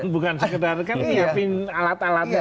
bukan sekedar kan nyiapin alat alatnya